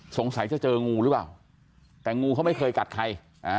สงสัยจะเจองูหรือเปล่าแต่งูเขาไม่เคยกัดใคร